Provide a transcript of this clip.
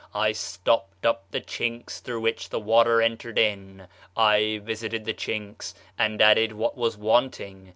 I stopped up the chinks through which the water entered in; I visited the chinks, and added what was wanting.